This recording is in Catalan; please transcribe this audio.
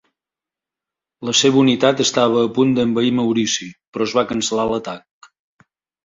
La seva unitat estava a punt d'envair Maurici, però es va cancel·lar l'atac.